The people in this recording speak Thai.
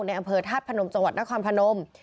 อำเภอธาตุพนมจังหวัดนครพนม